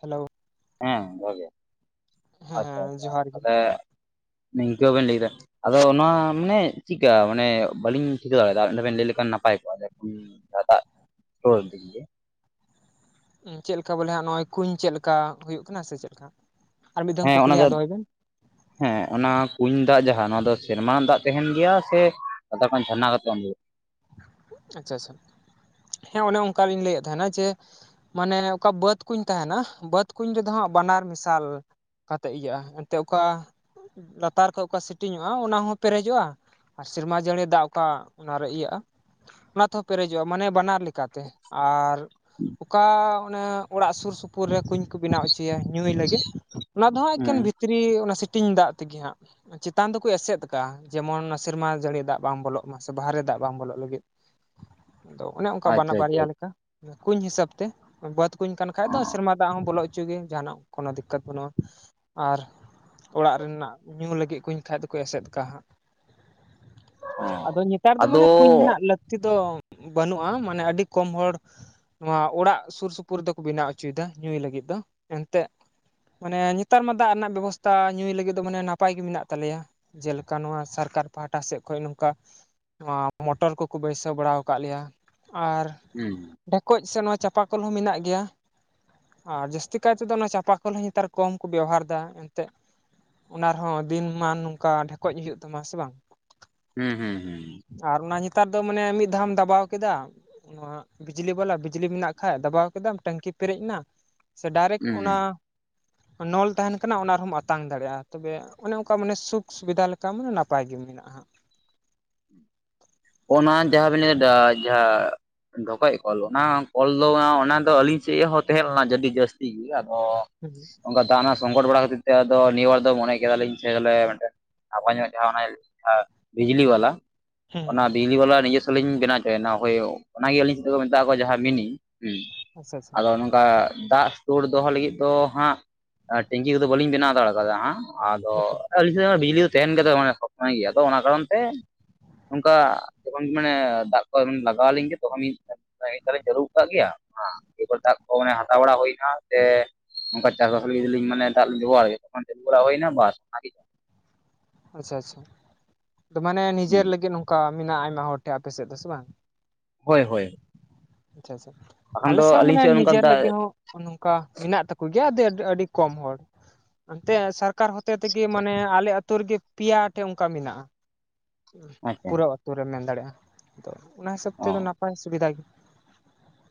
Hello ᱦᱮᱸ ᱡᱚᱦᱟᱨ ᱜᱮ, ᱟᱪᱪᱷᱟ ᱦᱮᱸ ᱟᱪᱪᱷᱟ ᱡᱚᱦᱟᱨ ᱜᱮ ᱛᱟᱦᱞᱮ ᱱᱤᱝᱠᱟᱹ ᱵᱮᱱ ᱞᱟᱹᱭᱫᱟ᱾ ᱟᱫᱚ ᱱᱚᱣᱟ ᱢᱟᱱᱮ ᱪᱮᱜ ᱠᱟ ᱢᱟᱱᱮ ᱵᱟᱹᱞᱤᱧ ᱴᱷᱤᱠᱟᱹ ᱫᱟᱲᱮᱭᱟᱫᱼᱟ ᱟᱨ ᱢᱤᱫ ᱰᱷᱟᱣ ᱵᱮᱱ ᱞᱟᱹᱭ ᱞᱮᱠᱷᱟᱱ ᱱᱟᱯᱟᱭ ᱠᱚᱜᱼᱟ᱾ [unintelligible] ᱦᱚᱭ [unintelligible] ᱦᱩᱸ ᱪᱮᱜ ᱞᱮᱠᱟ ᱵᱚᱞᱮ ᱦᱟᱜ ᱱᱚᱜᱼᱚᱭ ᱠᱩᱧ ᱪᱮᱜ ᱞᱮᱠᱟ ᱦᱩᱭᱩᱜ ᱠᱟᱱᱟ ᱥᱮ ᱪᱮᱜ ᱞᱮᱠᱟ? ᱟᱨ ᱢᱤᱫ ᱫᱷᱟᱣ ᱦᱮᱸ ᱚᱱᱟ ᱠᱩᱠᱞᱤ ᱦᱟᱸᱜ ᱡᱟᱦᱟᱸ [inaudible] ᱦᱮᱸ ᱚᱱᱟ ᱠᱩᱧ ᱫᱟᱜ ᱡᱟᱦᱟᱸ ᱱᱚᱣᱟ ᱫᱚ ᱥᱮᱨᱢᱟ ᱫᱟᱜ ᱛᱟᱦᱮᱱ ᱜᱮᱭᱟ, ᱥᱮ ᱯᱟᱛᱟᱞ ᱠᱷᱚᱱ ᱡᱷᱟᱨᱱᱟ ᱠᱟᱛᱮ ᱩᱰᱩᱠᱚᱜᱼᱟ? ᱟᱪᱪᱷᱟ ᱟᱪᱪᱷᱟ ᱦᱮᱸ ᱚᱱᱮ ᱚᱱᱠᱟ ᱞᱤᱧ ᱞᱟᱹᱭᱮᱫ ᱛᱟᱦᱮᱱᱟ, ᱡᱮ ᱢᱟᱱᱮ ᱚᱠᱟ ᱵᱟᱹᱫᱽ ᱠᱩᱧ ᱛᱟᱦᱮᱱᱟ ᱵᱟᱹᱫ ᱠᱩᱧ ᱡᱚᱫᱚ ᱦᱟᱸᱜ ᱵᱟᱱᱟᱨ ᱢᱮᱥᱟᱞ᱾ ᱠᱟᱛᱮᱫ ᱤᱭᱟᱹᱜᱼᱟ, ᱮᱱᱛᱮᱫ ᱚᱠᱟ ᱞᱟᱛᱟᱨ ᱠᱷᱚᱡ ᱚᱠᱟ ᱥᱤᱴᱤᱝ ᱧᱚᱜᱼᱟ ᱚᱱᱟ ᱦᱚᱸ ᱯᱮᱨᱮᱡᱚᱜᱼᱟ᱾ ᱟᱨ ᱥᱮᱨᱢᱟ ᱡᱟᱹᱲᱤ ᱫᱟᱜ ᱚᱠᱟ ᱚᱱᱟᱨᱮ ᱤᱭᱟᱹᱜᱼᱟ᱾ ᱚᱱᱟ ᱛᱮᱦᱚᱸ ᱯᱮᱨᱮᱡᱚᱜᱼᱟ ᱢᱟᱱᱮ ᱵᱟᱱᱟᱨ ᱞᱮᱠᱟᱛᱮ᱾ ᱟᱨ ᱚᱠᱟ ᱚᱱᱮ ᱚᱲᱟᱜ ᱥᱩᱨ ᱥᱩᱯᱩᱨ ᱨᱮ ᱠᱩᱧ ᱠᱚ ᱵᱮᱱᱟᱣ ᱦᱚᱪᱚᱭᱟ ᱧᱩᱭ ᱞᱟᱹᱜᱤᱫ ᱚᱱᱟ ᱫᱚ ᱦᱟᱜ ᱮᱠᱮᱱ ᱦᱮᱸ ᱵᱷᱤᱛ ᱨᱤ ᱚᱱᱟ ᱥᱤᱴᱤᱝ ᱫᱟᱜ ᱛᱮᱜᱮ ᱦᱟᱸᱜ᱾ ᱪᱮᱛᱟᱱ ᱫᱚᱠᱚ ᱮᱥᱮᱫ ᱟᱠᱟᱼᱟ ᱡᱮᱢᱚᱱ ᱥᱮᱨᱢᱟ ᱡᱟᱹᱲᱤ ᱫᱟᱜ ᱵᱟᱝ ᱵᱚᱞᱚᱜ ᱢᱟ ᱥᱮ ᱵᱟᱦᱨᱮ ᱫᱟᱜ ᱵᱟᱝ ᱵᱚᱞᱚᱜ ᱞᱟᱹᱜᱤᱫ᱾ ᱟᱫᱚ ᱚᱱᱮ ᱚᱱᱠᱟ ᱵᱟᱱᱟ ᱟᱪᱪᱷᱟ ᱟᱪᱪᱷᱟ ᱵᱟᱨᱭᱟ ᱦᱮᱸ ᱞᱮᱠᱟ ᱠᱩᱧ ᱦᱤᱥᱟᱹᱵ ᱛᱮ ᱵᱟᱫ ᱠᱩᱧ ᱠᱟᱱ ᱠᱷᱟᱡ ᱫᱚ ᱥᱮᱨᱢᱟ ᱫᱟᱜ ᱦᱚᱸ ᱵᱚᱞᱚᱜ ᱪᱚᱜᱤ ᱡᱟᱦᱟᱱᱟᱜ ᱠᱳᱱᱳ ᱫᱤᱠᱠᱟᱹᱛ ᱵᱟᱹᱱᱩᱜᱼᱟ᱾ ᱟᱨ ᱚᱲᱟᱜ ᱨᱮᱱᱟᱜ ᱧᱩ ᱞᱟᱹᱜᱤᱫ ᱠᱩᱧ ᱠᱷᱟᱡ ᱫᱚᱠᱚ ᱮᱥᱮᱫ ᱠᱟᱜ-ᱟ ᱦᱟᱜ᱾ ᱟᱫᱚ ᱱᱮᱛᱟᱨ ᱫᱚ ᱟᱫᱚ ᱢᱟᱱᱮ ᱠᱩᱧ ᱨᱮᱱᱟᱜ ᱞᱟᱹᱠᱛᱤ ᱫᱚ ᱵᱟᱹᱱᱩᱜᱼᱟ ᱢᱟᱱᱮ ᱟᱹᱰᱤ ᱠᱚᱢ ᱦᱚᱲ ᱱᱚᱣᱟ ᱚᱲᱟᱜ ᱥᱩᱨ ᱥᱩᱯᱩᱨ ᱨᱮ ᱫᱚᱠᱚ ᱵᱮᱱᱟᱣ ᱦᱚᱪᱚᱭᱮᱫᱟ ᱧᱩᱭ ᱞᱟᱹᱜᱤᱫ ᱫᱚ ᱮᱱᱛᱜ ᱢᱟᱱᱮ ᱱᱮᱛᱟᱨ ᱢᱟ ᱫᱟᱜ ᱨᱮᱱᱟᱜ ᱵᱮᱵᱚᱥᱛᱷᱟ ᱧᱩᱭ ᱞᱟᱹᱜᱤᱫ ᱫᱚ ᱢᱟᱱᱮ ᱱᱟᱯᱟᱭ ᱜᱮ ᱢᱮᱱᱟᱜ ᱛᱟᱞᱮᱭᱟ᱾ ᱡᱮᱞᱮᱠᱟ ᱱᱚᱣᱟ ᱥᱚᱨᱠᱟᱨ ᱯᱟᱦᱴᱟ ᱥᱮᱫ ᱠᱷᱚᱱ ᱱᱚᱝᱠᱟ ᱱᱚᱣᱟ ᱢᱚᱴᱚᱨ ᱠᱚ ᱠᱚ ᱵᱟᱹᱭᱥᱟᱹᱣ ᱵᱟᱲᱟᱣ ᱟᱠᱟᱫ ᱞᱮᱭᱟ ᱟᱨ ᱦᱩᱸ ᱰᱷᱮᱠᱚᱡ ᱥᱮ ᱱᱚᱣᱟ ᱪᱟᱸᱯᱟᱠᱞ ᱦᱚᱸ ᱢᱮᱱᱟᱜ ᱜᱮᱭᱟ᱾ ᱟᱨ ᱡᱟᱹᱥᱛᱤ ᱠᱟᱭ ᱛᱮᱫᱚ ᱚᱱᱟ ᱪᱟᱸᱯᱟ ᱠᱚᱞ ᱦᱚ ᱱᱮᱛᱟᱨ ᱠᱚᱢ ᱠᱚ ᱵᱮᱵᱚᱦᱟᱨ ᱮᱫᱟ, ᱮᱱᱛᱮᱜ ᱚᱱᱟ ᱨᱮᱦᱚᱸ ᱫᱤᱱ ᱢᱟᱱ ᱱᱚᱝᱠᱟ ᱰᱷᱮᱠᱚᱡ ᱦᱩᱭᱩᱜ ᱛᱟᱢᱟ᱾ ᱥᱮ ᱵᱟᱝ? ᱦᱩᱸ ᱦᱩᱸ ᱦᱩᱸ ᱟᱨ ᱚᱱᱟ ᱧᱮᱛᱟᱨ ᱫᱚ ᱢᱟᱱᱮ ᱢᱤᱫ ᱫᱷᱟᱣᱮᱢ ᱫᱟᱵᱟᱣ ᱠᱮᱫᱟ ᱱᱚᱣᱟ ᱵᱤᱡᱽᱞᱤ ᱵᱟᱞᱟ ᱵᱤᱡᱽᱞᱤ ᱢᱮᱱᱟᱜ ᱠᱷᱟ ᱫᱟᱵᱟᱣ ᱠᱮᱫᱟᱢ ᱴᱮᱝᱠᱤ ᱯᱮᱨᱮᱡ ᱮᱱᱟ, ᱥᱮ ᱰᱟᱭᱨᱮᱠᱴ ᱚᱱᱟ ᱦᱩᱸ ᱱᱚᱞ ᱛᱟᱦᱮᱱ ᱠᱟᱱᱟ ᱚᱱᱟ ᱨᱮᱦᱚᱢ ᱟᱛᱟᱝ ᱫᱟᱲᱮᱭᱟᱜᱼᱟ, ᱛᱚᱵᱮ ᱚᱱᱮ ᱚᱝᱠᱟ ᱢᱟᱱᱮ ᱥᱩᱠ ᱥᱩᱵᱤᱫᱷᱟ ᱞᱮᱠᱟ ᱢᱟᱱᱮ ᱱᱟᱯᱟᱭ ᱜᱮ ᱢᱮᱱᱟᱜᱼᱟ ᱦᱟᱜ᱾ ᱚᱱᱟ ᱡᱟᱦᱟᱸᱵᱤᱱ ᱞᱟᱹᱭ ᱡᱟᱦᱟᱸ ᱰᱷᱚᱠᱚᱡ ᱠᱚᱞ ᱚᱱᱟ ᱠᱚᱞ ᱫᱚ ᱚᱱᱟ ᱫᱚ ᱟᱹᱞᱤᱧ ᱥᱮᱫ ᱦᱚᱸ ᱛᱟᱦᱮᱸ ᱞᱮᱱᱟ ᱟᱹᱰᱤ ᱡᱟᱹᱥᱛᱤ ᱜᱮ, ᱟᱫᱚ ᱦᱩᱸ ᱚᱱᱠᱟ ᱫᱟᱱᱟ ᱥᱚᱝᱠᱚᱴ ᱵᱟᱲᱟ ᱠᱷᱟᱹᱛᱤᱨ ᱛᱮ ᱟᱫᱚ ᱱᱤᱭᱟᱹ ᱵᱟᱨ ᱫᱚ ᱢᱚᱱᱮ ᱠᱮᱫᱟᱞᱤᱧ ᱥᱮ ᱵᱚᱞᱮ ᱟᱵᱮᱱ ᱴᱷᱮᱜ ᱱᱟᱯᱟᱭ ᱧᱚᱜ ᱡᱟᱦᱟᱸ ᱚᱱᱮ ᱵᱤᱡᱽᱞᱤ ᱵᱟᱞᱟ, ᱦᱩᱸ ᱚᱱᱟ ᱦᱩᱸ ᱵᱤᱡᱞᱤ ᱵᱟᱞᱟ ᱱᱤᱡᱮᱥ ᱞᱤᱧ ᱵᱮᱱᱟᱣ ᱦᱚᱪᱚᱭᱮᱱᱟ ᱦᱳᱭ ᱚᱱᱟᱜᱮ ᱟᱞᱤᱧ ᱥᱮᱫ ᱠᱚ ᱢᱮᱛᱟᱜ ᱠᱚᱣᱟ ᱡᱟᱦᱟᱸ ᱢᱤᱱᱤ ᱦᱮᱸ, ᱟᱪᱪᱷᱟ ᱟᱪᱪᱷᱟ ᱟᱫᱚ ᱱᱚ ᱚᱱᱠᱟ ᱫᱟᱜ ᱥᱛᱳᱲ ᱫᱚᱦᱚ ᱞᱟᱹᱜᱤᱫ ᱫᱚ ᱦᱟᱸᱜ ᱴᱮᱝᱠᱤ ᱠᱚᱫᱚ ᱵᱟᱹᱞᱤᱧ ᱵᱮᱱᱟᱣ ᱫᱟᱲᱮ ᱠᱟᱫᱟ ᱦᱟᱸᱜ᱾ ᱟᱫᱚ ᱟᱪᱪᱷᱟ ᱟᱞᱤᱧ ᱥᱮᱫ ᱵᱤᱡᱞᱤ ᱫᱚ ᱛᱟᱦᱮᱱ ᱠᱟᱛᱮ ᱢᱟᱱᱮ ᱥᱚᱢᱚᱭ ᱜᱮᱭᱟ ᱟᱫᱚ ᱚᱱᱟ ᱠᱟᱨᱚᱱ ᱛᱮ ᱱᱚᱝᱠᱟ ᱡᱚᱠᱷᱚᱱ ᱢᱟᱱᱮ ᱫᱟᱜ ᱠᱚ ᱞᱟᱜᱟᱣ ᱞᱤᱧ ᱜᱮ ᱛᱚᱠᱷᱚᱱ ᱞᱤᱧ [unintelligible] ᱛᱚᱞᱤᱧ ᱪᱟᱹᱨᱩᱜ ᱟᱠᱟᱫ ᱜᱮᱭᱟ [unintelligible] ᱫᱟᱜ ᱠᱚ ᱢᱟᱱᱮ ᱦᱟᱛᱟᱣ ᱵᱟᱲᱟ ᱦᱩᱭᱱᱟ ᱥᱮ ᱚᱝᱠᱟ ᱪᱟᱥᱵᱟᱥ ᱞᱟᱹᱜᱤᱫ ᱫᱚᱞᱤᱧ ᱢᱟᱱᱮ ᱫᱟᱜ ᱞᱤᱧ ᱵᱮᱵᱚᱦᱟᱨ ᱜᱮᱭᱟ ᱡᱚᱠᱷᱚᱱ ᱪᱟᱥ ᱵᱟᱲᱟ ᱦᱩᱭᱱᱟ ᱵᱟᱥ [unintelligible] ᱟᱪᱪᱷᱟ ᱟᱪᱪᱷᱟ, ᱛᱚ ᱢᱟᱱᱮ ᱱᱤᱡᱮᱨ ᱦᱩᱸ ᱞᱟᱹᱜᱤᱫ ᱱᱚᱝᱠᱟ ᱢᱮᱱᱟᱜᱼᱟ, ᱟᱭᱢᱟ ᱦᱚᱲ ᱴᱷᱮᱱ ᱟᱯᱮ ᱥᱮᱫ ᱫᱚ ᱥᱮ ᱵᱟᱝ? ᱦᱳᱭ ᱦᱳᱭ, ᱟᱪᱪᱷᱟ ᱟᱪᱪᱷᱟ, ᱵᱟᱠᱷᱟᱱ ᱫᱚ ᱟᱞᱮᱥᱮᱫ ᱦᱚᱸ ᱟᱹᱞᱤᱧ ᱢᱟᱱᱮ ᱥᱮᱫ ᱱᱚᱝᱠᱟ ᱱᱤᱡᱮᱨ ᱫᱟᱜ ᱞᱟᱹᱜᱤᱫ ᱦᱚᱸ, ᱱᱚᱝᱠᱟ ᱢᱮᱱᱟᱜ ᱛᱟᱠᱚ ᱜᱮᱭᱟ, ᱟᱹᱰᱤ ᱟᱹᱰᱤ ᱠᱚᱢ ᱦᱚᱲ᱾ ᱮᱱᱛᱮᱫ ᱥᱚᱨᱠᱟᱨ ᱦᱚᱛᱮ ᱛᱮᱜᱮ ᱢᱟᱱᱮ, ᱟᱞᱮ ᱟᱛᱳ ᱨᱮᱜᱮ ᱯᱮᱭᱟ ᱴᱷᱮᱱ ᱚᱱᱠᱟ ᱢᱮᱱᱟᱜᱼᱟ᱾ ᱟᱪᱪᱷᱟ ᱯᱩᱨᱟᱹ ᱟᱹᱛᱩᱳ ᱨᱮᱢ ᱢᱮᱱ ᱫᱟᱲᱮᱼᱟ ᱚᱱᱟ ᱦᱤᱥᱟᱹᱵ ᱛᱮᱫᱚ ᱚ ᱱᱟᱯᱟᱭ ᱥᱩᱵᱤᱫᱷᱟ ᱜ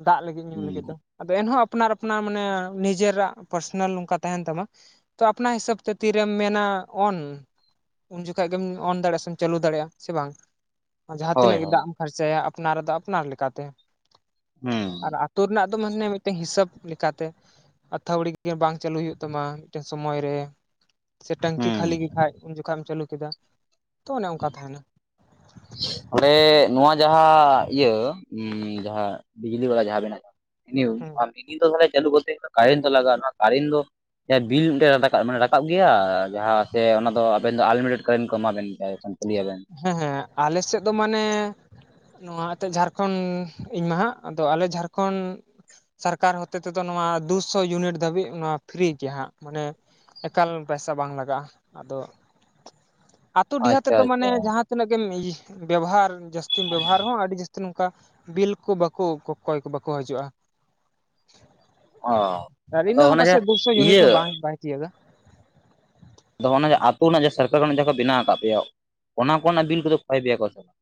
ᱫᱟᱜ ᱞᱟᱹᱜᱤᱫ ᱧᱩ ᱦᱩᱸ ᱞᱟᱹᱜᱤᱫ ᱫᱚ᱾ ᱟᱫᱚ ᱮᱱᱦᱚᱸ ᱟᱯᱱᱟᱨ ᱟᱯᱱᱟᱨ ᱢᱟᱱᱮ, ᱱᱤᱡᱮᱨᱟᱜ ᱯᱟᱨᱥᱚᱱᱟᱞ ᱱᱚᱝᱠᱟ ᱛᱟᱦᱮᱱ ᱛᱟᱢᱟ᱾ ᱛᱚ ᱟᱯᱱᱟ ᱦᱤᱥᱟᱹᱵ ᱛᱮ ᱛᱤᱨᱮᱢ ᱢᱮᱱᱟ ᱚᱱ, ᱩᱱ ᱡᱚᱠᱷᱟ ᱜᱮᱢ ᱚᱱ ᱫᱟᱲᱮᱭᱟᱜᱼᱟ ᱥᱮ ᱪᱟᱹᱞᱩ ᱫᱟᱲᱮᱭᱟᱜᱼᱟ ᱥᱮ ᱵᱟᱝ, ᱡᱟᱦᱟᱸ ᱦᱳᱭ ᱛᱤᱱᱟᱹᱜ ᱜᱮ ᱦᱳᱭ ᱫᱟᱜ ᱮᱢ ᱯᱷᱟᱨᱪᱟᱭᱟ ᱟᱯᱱᱟᱨ ᱫᱚ ᱟᱯᱱᱟᱨ ᱞᱮᱠᱟᱛᱮ᱾ ᱦᱩᱸ ᱟᱨ ᱟᱹᱛᱳ ᱨᱮᱱᱟᱜ ᱫᱚ ᱢᱟᱱᱮ, ᱢᱤᱫᱴᱮᱱ ᱦᱤᱥᱟᱹᱵ ᱞᱮᱠᱟᱛᱮ, ᱟᱛᱷᱟᱲᱤ ᱜᱮ ᱵᱟᱝ ᱪᱟᱹᱞᱩ ᱦᱩᱭᱩᱜ ᱛᱟᱢᱟ ᱢᱤᱫᱴᱮᱱ ᱥᱚᱢᱳᱭ ᱨᱮ, ᱥᱮ ᱴᱮᱝᱠᱤ ᱦᱩᱸ ᱠᱷᱟᱹᱞᱤ ᱜᱮᱠᱷᱟᱡ ᱩᱱ ᱡᱚᱠᱷᱟ ᱮᱢ ᱪᱟᱹᱞᱩ ᱠᱮᱫᱟ, ᱛᱚ ᱚᱱᱮ ᱚᱱᱠᱟ ᱛᱟᱦᱮᱱᱟ᱾ ᱚᱰᱮ ᱱᱚᱣᱟ ᱡᱟᱦᱟᱸ ᱤᱭᱟᱹ ᱩᱢ ᱡᱟᱦᱟᱸ ᱵᱤᱡᱽᱞᱤ ᱵᱟᱞᱟ ᱡᱟᱦᱟᱸ ᱵᱮᱱ ᱟᱡ ᱤᱱ ᱭᱩ ᱦᱮᱸ ᱯᱟᱨ ᱢᱤᱥᱤᱱ ᱫᱚ ᱛᱟᱦᱚᱞᱮ ᱪᱟᱞᱩ ᱠᱚᱨᱛᱮ ᱜᱮᱞᱮ, ᱛᱚ ᱠᱟᱨᱮᱱ ᱫᱚ ᱞᱟᱜᱟᱜ-ᱟ ᱱᱚᱣᱟ ᱠᱟᱨᱮᱱ ᱫᱚᱼᱼ ᱡᱟᱦᱟᱸ ᱵᱤᱞ ᱢᱤᱫᱴᱮᱱ ᱨᱟᱠᱟᱵ ᱢᱟᱱᱮ ᱨᱟᱠᱟᱵ ᱜᱮᱭᱟ ᱡᱟᱦᱟᱸ ᱥᱮ ᱚᱱᱟ ᱫᱚ ᱟᱵᱮᱱ ᱫᱚ ᱟᱱᱞᱤᱢᱤᱴᱮᱰ ᱠᱟᱨᱮᱱ ᱠᱚ ᱮᱢᱟ ᱵᱮᱱ ᱜᱮᱭᱟ ᱮ ᱠᱷᱟᱱ᱾ ᱞᱟᱹᱭᱟ ᱵᱮᱱ᱾ ᱦᱮᱸ ᱦᱮᱸ ᱟᱞᱮ ᱥᱮᱜ ᱫᱚ ᱢᱟᱱᱮᱼᱼ ᱱᱚᱣᱟ ᱮᱛᱮᱜ ᱡᱷᱟᱨᱠᱚᱸᱰ ᱤᱧ ᱢᱟ ᱦᱟᱸᱜ, ᱟᱫᱚ ᱟᱞᱮ ᱡᱷᱟᱨᱠᱚᱱᱰ ᱥᱟᱨᱠᱟᱨ ᱦᱚᱛᱮ ᱛᱮᱫᱚ, ᱱᱚᱣᱟ ᱫᱩ ᱥᱚ ᱭᱩᱱᱤᱴ ᱫᱷᱟᱹᱵᱤᱡ ᱚᱵᱟ ᱯᱷᱨᱤ ᱜᱮᱭᱟ ᱦᱟᱸᱜ ᱢᱟᱱᱮᱼᱼ ᱮᱠᱟᱞ ᱯᱟᱭᱥᱟ ᱵᱟᱝ ᱞᱟᱜᱟᱜ-ᱟ ᱟᱫᱚᱼᱼ ᱟᱛᱩ ᱰᱤᱦᱟᱹᱛ ᱟᱪᱪᱷᱟ ᱨᱮᱫᱚ ᱢᱟᱱᱮ ᱟᱪᱪᱷᱟ ᱡᱟᱦᱟᱸ ᱛᱤᱱᱟᱹᱜ ᱜᱮᱢ ᱤᱭᱟᱹ ᱵᱮᱵᱽᱦᱟᱨ, ᱡᱟᱹᱥᱛᱤᱢ ᱵᱮᱵᱽᱦᱟᱨ ᱦᱚᱸ ᱟᱹᱰᱤ ᱡᱟᱹᱥ ᱱᱚᱝᱠᱟ ᱵᱤᱞ ᱠᱚ ᱵᱟᱠᱚ ᱠᱚᱠᱚᱭ ᱠᱚ ᱵᱟᱠᱚ ᱦᱟᱹᱡᱩᱜ-ᱟ᱾ ᱚ ᱟᱨ ᱟᱫᱚ ᱤᱱᱟᱹᱜ ᱦᱚᱸ ᱚᱱᱮ ᱡᱮ ᱯᱟᱥᱮᱜ ᱫᱩ ᱥᱚ ᱤᱭᱟᱹ ᱭᱩᱱᱤᱴ ᱵᱟᱝ ᱵᱟᱭ ᱛᱤᱭᱟᱹᱜᱟ᱾ ᱟᱫᱚ ᱚᱱᱮ ᱡᱮ ᱟᱛᱳ ᱨᱮᱱᱟᱜ ᱡᱮ ᱥᱚᱨᱠᱟᱨ ᱠᱷᱚᱱᱟᱜ ᱡᱟᱦᱟᱸ ᱠᱚ ᱵᱮᱱᱟᱣ ᱟᱠᱟᱜ ᱯᱮᱭᱟ, ᱚᱱᱟ ᱠᱚᱨᱮ ᱱᱟᱜ ᱵᱤᱞ ᱠᱚᱫᱚ ᱠᱷᱚᱭ ᱯᱮᱭᱟ ᱠᱚ ᱥᱮ ᱵᱟᱝ?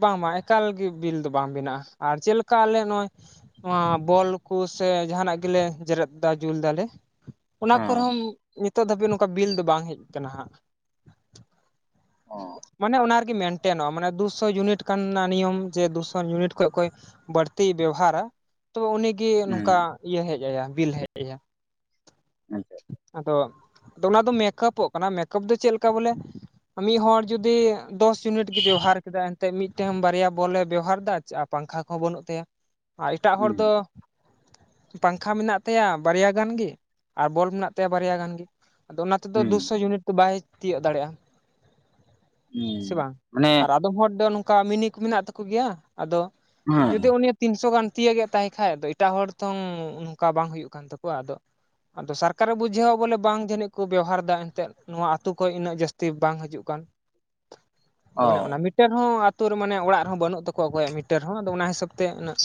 ᱵᱟᱝ ᱵᱟᱝ ᱮᱠᱟᱞ ᱜᱤ ᱵᱤᱞ ᱫᱚ ᱵᱟᱝ ᱵᱮᱱᱟᱜ-ᱟ, ᱟᱨ ᱪᱮᱜ ᱞᱮᱠᱟ ᱟᱞᱮ ᱱᱚᱜ-ᱚᱭᱼᱼ ᱱᱚᱣᱟ ᱵᱚᱞ ᱠᱩ ᱥᱮ ᱡᱟᱦᱟᱸ ᱱᱟᱜ ᱜᱮᱞᱮ ᱡᱮᱨᱮᱫ ᱫᱟ ᱡᱩᱞ ᱫᱟᱞᱮᱼᱼ ᱚᱱᱟ ᱦᱮᱸ ᱠᱚᱨᱮ ᱦᱚᱸ, ᱱᱤᱛᱚᱜ ᱫᱷᱟᱹᱵᱤᱡ ᱱᱚᱝᱠᱟ ᱵᱤᱞ ᱫᱚ ᱵᱟᱝ ᱦᱮᱡ ᱠᱟᱱᱟ ᱦᱟᱸᱜ᱾ ᱚ ᱢᱟᱱᱮ ᱚᱱᱟ ᱨᱮᱜᱮ ᱢᱮᱱᱴᱮᱱᱚᱜ-ᱟ ᱢᱟᱱᱮ, ᱫᱩ ᱥᱚ ᱭᱩᱱᱤᱴ ᱠᱟᱱᱟ ᱱᱤᱭᱚᱢ ᱡᱮ ᱫᱩ ᱥᱚ ᱭᱩᱱᱤᱴ ᱠᱷᱚᱡ ᱠᱚᱭᱼᱼ ᱵᱟᱹᱲᱛᱤᱭ ᱵᱮᱣᱦᱟᱨᱟ, ᱛᱚ ᱩᱱᱤᱼᱼ ᱜᱤ ᱱᱚᱝᱠᱟ ᱦᱩᱸ ᱤᱭᱟᱹ ᱦᱮᱡ ᱟᱭᱟ, ᱵᱤᱞ ᱦᱮᱡ ᱟᱭᱟ ᱟᱪᱪᱷᱟ ᱟᱫᱚᱼᱼ ᱫᱚ ᱚᱱᱟ ᱫᱚ ᱢᱮᱠᱚᱯᱚᱜ ᱠᱟᱱᱟ, ᱢᱮᱠᱚᱯ ᱫᱚ ᱪᱮᱜ ᱞᱮᱠᱟ ᱵᱚᱞᱮ ᱢᱤᱫ ᱦᱚᱲ ᱡᱩᱫᱤᱼᱼ ᱫᱚᱥ ᱭᱩᱱᱤᱴ ᱜᱮ ᱵᱮᱣᱦᱟᱨ ᱠᱮᱫᱟᱭ ᱮᱱᱛᱮᱜ, ᱢᱤᱫᱴᱮᱱ ᱵᱟᱨᱭᱟ ᱵᱚᱞ ᱮ ᱵᱮᱣᱦᱟᱨ ᱮᱫᱟᱭ ᱪᱮ ᱟ ᱯᱟᱝᱠᱷᱟ ᱠᱚᱦᱚᱸ ᱵᱟᱹᱱᱩᱜ ᱛᱟᱭᱟ᱾ ᱟᱨ ᱮᱴᱟᱜ ᱦᱚᱲ ᱦᱩᱸ ᱫᱚᱼᱼ ᱯᱟᱝᱠᱷᱟ ᱢᱮᱱᱟᱜ ᱛᱟᱭᱟ ᱵᱟᱨᱭᱟ ᱜᱟᱱ ᱜᱤ, ᱟᱨ ᱵᱚᱞ ᱢᱮᱱᱟᱜ ᱛᱟᱭᱟ ᱵᱟᱨᱭᱟ ᱜᱟᱱ ᱜᱤ᱾ ᱟᱫᱚ ᱚᱱᱟ ᱛᱮᱫᱚ ᱦᱩᱸ ᱫᱩ ᱥᱚ ᱭᱩᱱᱤᱴ ᱫᱚ ᱵᱟᱭ ᱛᱤᱭᱟᱹᱜ ᱫᱟᱲᱮᱜ-ᱟ᱾ ᱦᱩᱸ ᱥᱮ ᱵᱟᱝ ᱢᱟᱱᱮ ᱟᱨ ᱟᱫᱚᱢ ᱦᱚᱲ ᱫᱚ ᱱᱚᱝᱠᱟ ᱢᱤᱱᱤ ᱠᱩ ᱢᱤᱱᱟᱜ ᱛᱟᱹᱠᱩ ᱜᱮᱭᱟ, ᱟᱫᱚ ᱦᱮᱸ ᱡᱩᱫᱤ ᱩᱱᱤᱼᱼ ᱛᱤᱱ ᱥᱚ ᱜᱟᱱ ᱛᱤᱭᱟᱹᱜᱮᱫ ᱛᱟᱭ ᱠᱷᱟᱡ, ᱫᱚ ᱮᱴᱟᱜ ᱦᱚᱲ ᱛᱚᱝ ᱱᱚᱝᱠᱟ ᱵᱟᱝ ᱦᱩᱭᱩᱜ ᱠᱟᱱ ᱛᱟᱠᱚᱣᱟ ᱟᱫᱚᱼᱼ ᱟᱫᱚ ᱥᱟᱨᱠᱟᱨ ᱮ ᱵᱩᱡᱷᱟᱹᱣᱟ ᱵᱚᱞᱮ ᱵᱟᱝ ᱡᱟᱹᱱᱤᱡ ᱠᱚ ᱵᱮᱣᱦᱟᱨ ᱫᱟ, ᱮᱱᱛᱮᱜ ᱱᱚᱣᱟ ᱟᱛᱩ ᱠᱷᱚᱡ ᱩᱱᱟᱹᱜ ᱡᱟᱹᱥᱛᱤᱼᱼ ᱵᱟᱝ ᱦᱟᱡᱩᱜ ᱠᱟᱱ, ᱫᱚ ᱚ ᱚᱱᱮ ᱚᱱᱟ ᱢᱤᱴᱼᱼ ᱴᱟᱹᱨ ᱦᱚᱸ ᱟᱛᱩ ᱨᱮ ᱢᱟᱱᱮ ᱚᱲᱟᱜ ᱨᱮ ᱦᱚᱸ ᱵᱟᱹᱱᱩᱜ ᱛᱟᱠᱚᱣᱟ ᱚᱠᱚᱭᱟᱜ ᱢᱤᱴᱟᱹᱨ ᱦᱚᱸ, ᱟᱫᱚ ᱚᱱᱟ ᱦᱤᱥᱟᱹᱵᱽ ᱛᱮ ᱩᱱᱟᱹᱜᱼᱼ